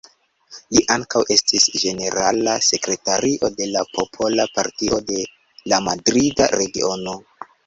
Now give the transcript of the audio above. Li ankaŭ estis ĝenerala sekretario de la Popola Partio de la Madrida Regiono.